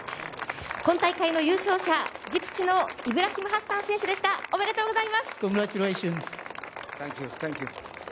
今大会の優勝者、ジブチのイブラヒム・ハッサン選手でした、おめでとうございます！